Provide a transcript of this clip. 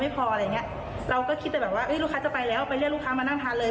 แล้วเขาต้องจะออกไปก็แบบด้วยว่าเงินไม่พอก็เลยให้ไปเรียกกับประธานแค่นั้นเลยค่ะ